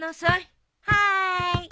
はい。